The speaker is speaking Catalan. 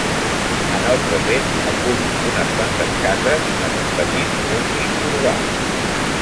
En el present acull unes quantes cases en un petit nucli urbà.